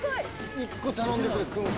１個頼んでくれ、くん製。